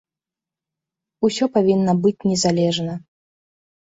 Усё павінна быць незалежна.